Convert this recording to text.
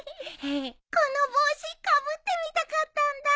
この帽子かぶってみたかったんだ。